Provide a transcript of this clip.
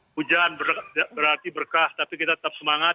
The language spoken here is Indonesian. hujan berarti berkah tapi kita tetap semangat